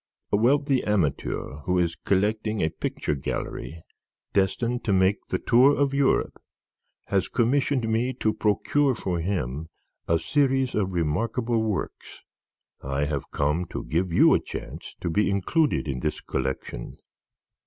"A wealthy amateur, who is collecting a picture gallery destined to make the tour of Europe, has commissioned me to procure for him a series of remarkable works. I have come to give you a chance to be included in this collection.